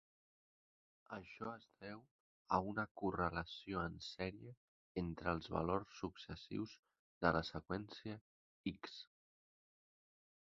Això es deu a una correlació en sèrie entre els valors successius de la seqüència "X".